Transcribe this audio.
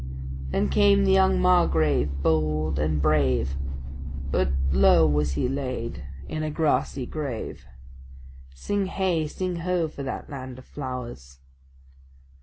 Then came the young margrave, bold and brave; But low was he laid in a grassy grave. Sing heigh, sing ho, for that land of flowers!